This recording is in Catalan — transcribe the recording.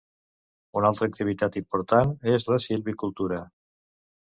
Una altra activitat important és la silvicultura.